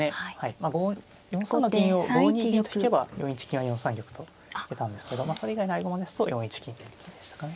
４三の銀を５二銀と引けば４一金は４三玉と出たんですけどそれ以外の合駒ですと４一金っていうことでしたかね。